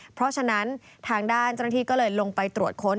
เพราะฉะนั้นทางด้านเจ้าหน้าที่ก็เลยลงไปตรวจค้น